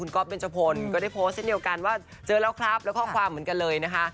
๊อฟเบนจพลก็ได้โพสต์เช่นเดียวกันว่าเจอแล้วครับแล้วข้อความเหมือนกันเลยนะคะ